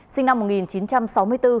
sinh năm một nghìn chín trăm sáu mươi bốn